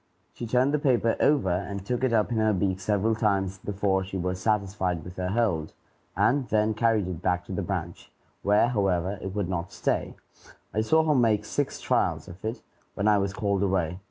She turned the paper over and took it up in her beak several times before she was satisfied with her hold, and then carried it back to the branch, where, however, it would not stay. I saw her make six trials of it, when I was called away.